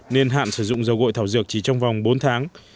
nên hạn sử dụng dầu gội thảo dược chỉ trong vòng bốn tháng